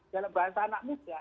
dalam bahasa anak muda